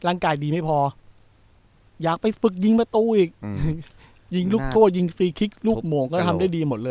ร่างกายดีไม่พออยากไปฝึกยิงมตู้อีกอืมยิงลูกโต๊ะยิงฟรีคลิกลูกโหมงก็ทำได้ดีหมดเลย